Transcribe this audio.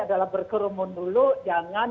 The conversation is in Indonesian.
adalah berkerumun dulu jangan